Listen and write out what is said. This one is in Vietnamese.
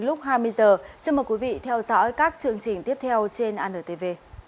xin mời quý vị theo dõi các chương trình tiếp theo trên anntv